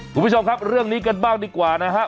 คุณผู้ชมครับเรื่องนี้กันบ้างดีกว่านะฮะ